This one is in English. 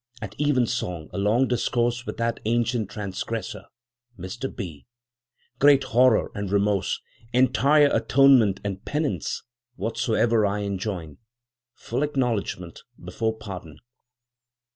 At even song, a long discourse with that ancient transgressor, Mr B. Great horror and remorse; entire atonement and penance; whatsoever I enjoin; full acknowledgment before pardon.